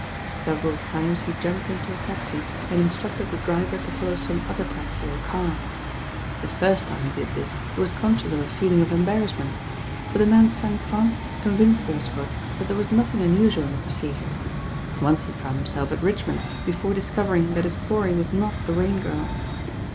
Several times he jumped into a taxi and instructed the driver to follow some other taxi or car. The first time he did this he was conscious of a feeling of embarrassment; but the man's sang froid convinced Beresford that there was nothing unusual in the pro cedure. Once he found himself at Richmond before discovering that his quarry was not the Rain Girl.